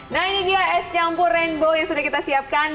nah ini dia es campur rainbow yang sudah kita siapkan